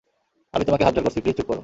আমি তোমাকে হাতজোড় করছি, প্লিজ চুপ করো!